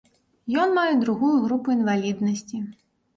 Ён мае другую групу інваліднасці.